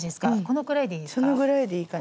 このくらいでいいですか？